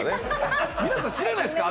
皆さん知らないですか？